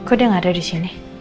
udah kemana dia